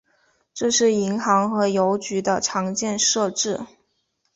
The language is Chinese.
这是银行和邮局的常见设置。